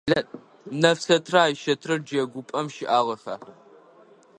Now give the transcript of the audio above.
Нэфсэтрэ Айщэтрэ джэгупӏэм щыӏагъэха?